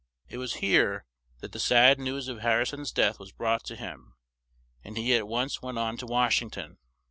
It was here that the sad news of Har ri son's death was brought to him, and he at once went on to Wash ing ton.